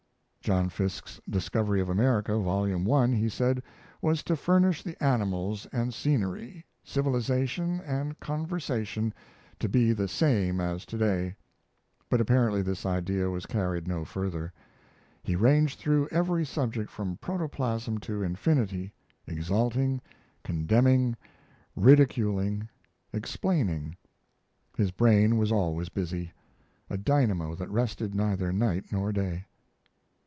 John Fiske's Discovery of America, Volume I, he said, was to furnish the animals and scenery, civilization and conversation to be the same as to day; but apparently this idea was carried no further. He ranged through every subject from protoplasm to infinity, exalting, condemning, ridiculing, explaining; his brain was always busy a dynamo that rested neither night nor day.